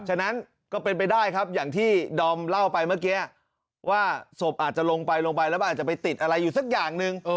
ฉะนั้นก็เป็นไปได้ครับอย่างที่ดอมเล่าไปเมื่อกี้ว่าศพอาจจะลงไปลงไปแล้วมันอาจจะไปติดอะไรอยู่สักอย่างหนึ่ง